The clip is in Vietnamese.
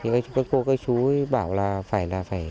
các cô các chú bảo là phải